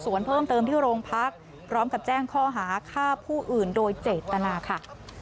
ส่วนเพิ่มเติมที่โรงพักพร้อมกับแจ้งข้อหาฆ่าผู้อื่นโดยเจตนาค่ะ